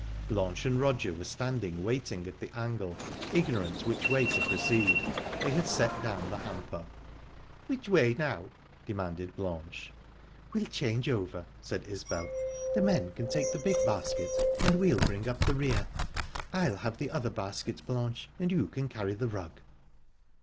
Blanche and Roger were standing waiting at the angle, ignorant which way to proceed; they had set down the hamper. "Which way now?" demanded Blanche. "We'll change over," said Isbel. "The men can take the big basket and we'll bring up the rear. I'll have the other basket, Blanche, and you can carry the rug."